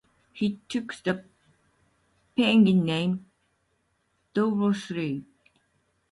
He took the pagan name "Dobroslav".